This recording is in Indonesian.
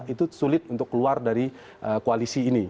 itu sulit untuk keluar dari koalisi ini